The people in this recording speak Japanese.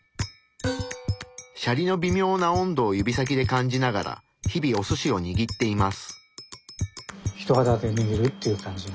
シャリのびみょうな温度を指先で感じながら日々おすしをにぎっています。